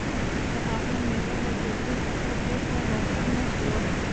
د هغې مېړه له جګړې څخه بېرته راستون نه شو